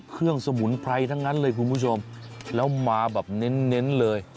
สมุนไพรทั้งนั้นเลยคุณผู้ชมแล้วมาแบบเน้นเลย